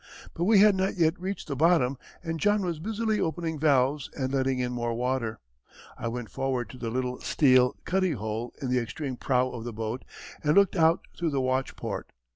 But we had not yet reached the bottom, and John was busily opening valves and letting in more water. I went forward to the little steel cuddy hole in the extreme prow of the boat, and looked out through the watch port.